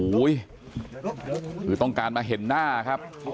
คือต้องการมาเห็นหน้าครับ